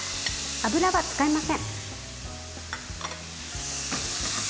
油は使いません。